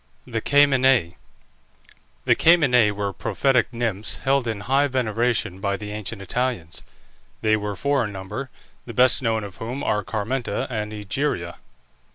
THE CAMENÆ. The Camenæ were prophetic nymphs held in high veneration by the ancient Italians. They were four in number, the best known of whom are Carmenta and Egeria.